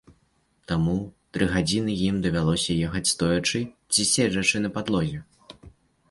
Таму тры гадзіны ім давялося ехаць стоячы ці седзячы на падлозе.